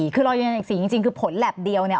คือรอยืนยันอีก๔จริงคือผลแล็บเดียวนี่